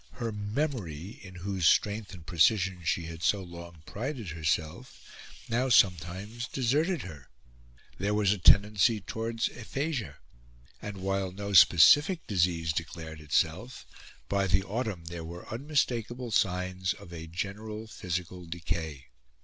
Her memory, in whose strength and precision she had so long prided herself, now sometimes deserted her; there was a tendency towards aphasia; and, while no specific disease declared itself, by the autumn there were unmistakable signs of a general physical decay.